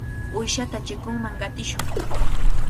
Uyshata chikunman qatishun.